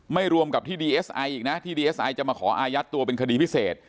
รวมกับที่ดีเอสไออีกนะที่ดีเอสไอจะมาขออายัดตัวเป็นคดีพิเศษ